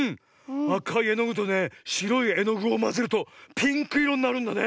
あかいえのぐとねしろいえのぐをまぜるとピンクいろになるんだね。